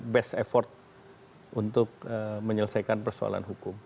dan kita harus berusaha untuk menyelesaikan persoalan hukum